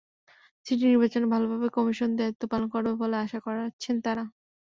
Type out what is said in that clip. City নির্বাচনে ভালোভাবে commission দায়িত্ব পালন করবে বলে আশা করছেন তাঁরা।